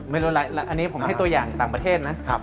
อันนี้ผมให้ตัวอย่างต่างประเทศนะ